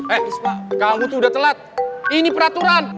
eh isma kamu tuh udah telat ini peraturan